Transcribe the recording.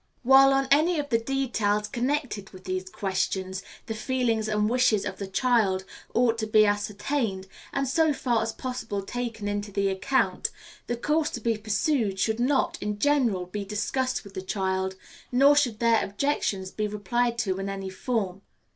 While on any of the details connected with these questions the feelings and wishes of the child ought to be ascertained, and, so far as possible, taken into the account, the course to be pursued should not, in general, be discussed with the child, nor should their objections be replied to in any form.